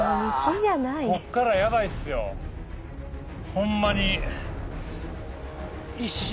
ホンマに。